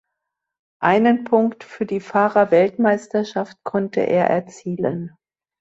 Einen Punkt für die Fahrerweltmeisterschaft konnte er erzielen.